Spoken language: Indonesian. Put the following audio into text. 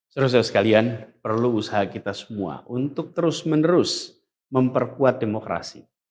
saudara saudara sekalian perlu usaha kita semua untuk terus menerus memperkuat demokrasi